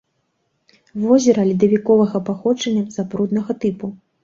Возера ледавіковага паходжання, запруднага тыпу.